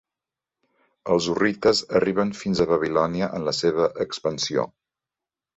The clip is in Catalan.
Els hurrites arriben fins a Babilònia en la seva expansió.